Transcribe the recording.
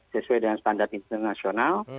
sesuai dengan standar internasional